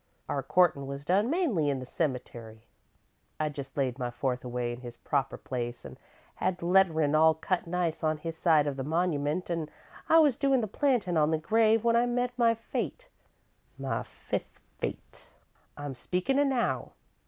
"Our courtin' was done mainly in the cemetery. I'd just laid my fourth away in his proper place an' had the letterin' all cut nice on his side of the monumint, an' I was doin' the plantin' on the grave when I met my fate my fifth fate, I'm speakin' of now.